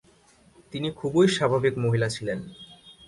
তিনি খুবই স্বাভাবিক মহিলা ছিলেন।